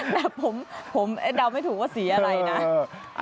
แต่ผมเดาไม่ถูกว่าสีอะไรนะ